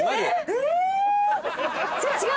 えっ？